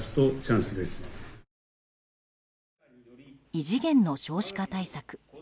異次元の少子化対策。